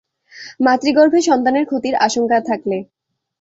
মাতৃগর্ভে সন্তানের ক্ষতির আশঙ্কা থাকলে।